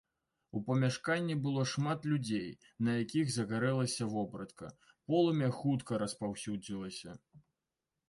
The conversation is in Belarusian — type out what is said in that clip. У памяшканні было шмат людзей, на якіх загарэлася вопратка, полымя хутка распаўсюдзілася.